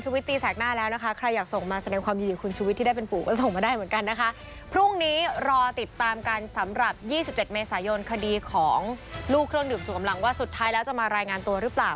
หลูกเครื่องดื่มสูงกำลังว่าสุดท้ายแล้วจะมารายงานตัวหรือเปล่า